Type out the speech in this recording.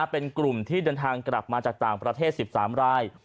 เป็นกลุ่มที่เดินทางกลับมาจากต่างประเทศ๑๓ราย